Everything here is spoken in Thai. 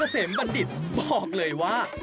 กับโมกะเสมบัณฑิตบอกเลยว่า